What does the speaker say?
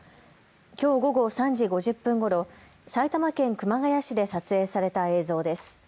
きょう午後３時５０分ごろ、埼玉県熊谷市で撮影された映像です。